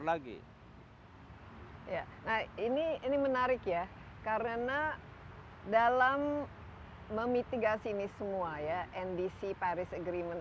lagi ya nah ini ini menarik ya karena dalam memitigasi ini semua ya ndc paris agreement